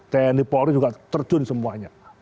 tni polri juga terjun semuanya